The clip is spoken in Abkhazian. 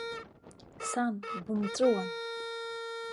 Сан бымҵәуан!